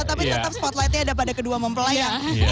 tapi tetap spotlightnya ada pada kedua mempelai ya